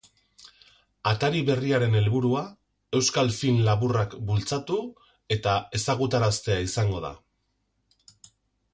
Atari berriaren helburua euskal film laburrak bultzatu eta ezagutaraztea izango da.